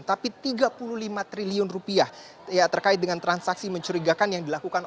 tapi tiga puluh lima triliun rupiah terkait dengan transaksi mencurigakan yang dilakukan